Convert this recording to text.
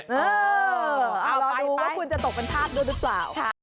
รอดูว่าคุณจะตกเป็นธาตุด้วยหรือเปล่า